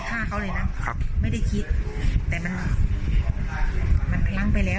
ฆ่าเขาเลยนะครับไม่ได้คิดแต่มันมันพลั้งไปแล้ว